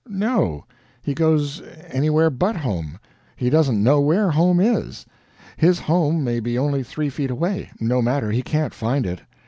No he goes anywhere but home. He doesn't know where home is. His home may be only three feet away no matter, he can't find it.